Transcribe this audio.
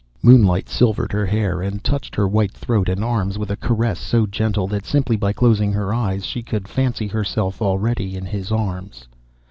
Moonlight silvered her hair and touched her white throat and arms with a caress so gentle that simply by closing her eyes she could fancy herself already in his arms.